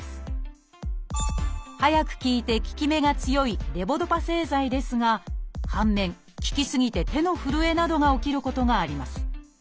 早く効いて効き目が強いレボドパ製剤ですが反面効き過ぎて手のふるえなどが起きることがあります。